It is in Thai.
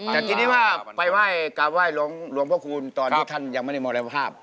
จากที่นี้ฝ่ายว่ายกามว่ายร้องพระคุณตอนที่ท่านยังไม่ได้มองราภาพ